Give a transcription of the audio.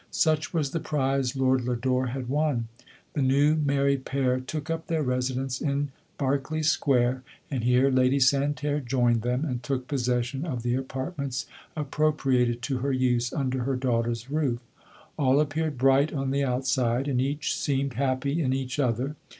Such was the prize Lord Lodore had won. The new married pair took up their residence in Berkeley square, and here Lady Santerre joined them, and took possession of the apart ments appropriated to her use, under her daughter's roof. All appeared bright on the outside, and each seemed happy in each other.